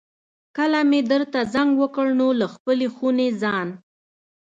کله مې درته زنګ وکړ نو له خپلې خونې ځان.